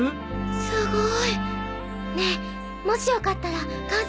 すごいねえもしよかったら感想聞いてもいい？